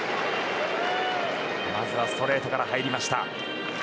まずストレートから入りました。